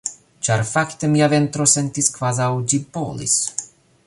Ĉar fakte mia ventro sentis kvazaŭ ĝi bolis.